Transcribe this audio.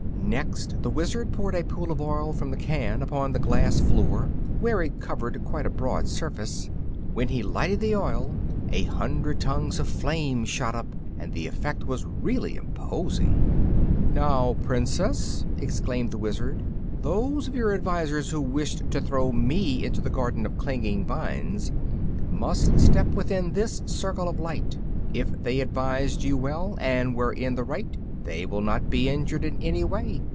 Next the Wizard poured a pool of oil from the can upon the glass floor, where it covered quite a broad surface. When he lighted the oil a hundred tongues of flame shot up, and the effect was really imposing. "Now, Princess," exclaimed the Wizard, "those of your advisors who wished to throw us into the Garden of Clinging Vines must step within this circle of light. If they advised you well, and were in the right, they will not be injured in any way.